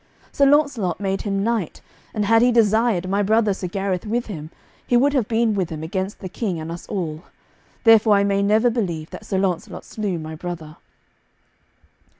Sir Launcelot made him knight, and had he desired my brother Sir Gareth with him, he would have been with him against the King and us all. Therefore I may never believe that Sir Launcelot slew my brother."